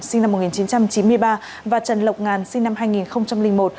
sinh năm một nghìn chín trăm chín mươi ba và trần lộc ngàn sinh năm hai nghìn một